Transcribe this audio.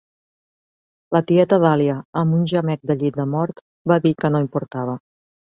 La tieta Dahlia, amb un gemec de llit de mort, va dir que no importava.